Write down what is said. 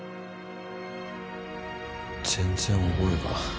全然覚えが。